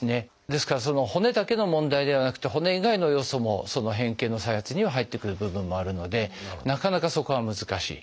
ですから骨だけの問題ではなくて骨以外の要素も変形の再発には入ってくる部分もあるのでなかなかそこは難しい。